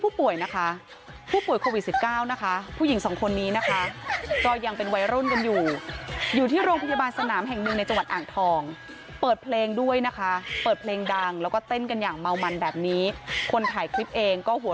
ป่วยนะคะผู้ป่วยโควิด๑๙นะคะผู้หญิงสองคนนี้นะคะก็ยังเป็นวัยรุ่นกันอยู่อยู่ที่โรงพยาบาลสนามแห่งหนึ่งในจังหวัดอ่างทองเปิดเพลงด้วยนะคะเปิดเพลงดังแล้วก็เต้นกันอย่างเมามันแบบนี้คนถ่ายคลิปเองก็หัว